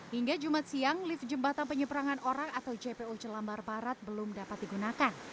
hingga jumat siang lift jembatan penyeberangan orang atau jpo jelambar barat belum dapat digunakan